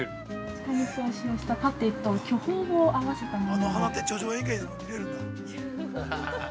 ◆鹿肉をしようしたパテと巨峰を合わせたものを。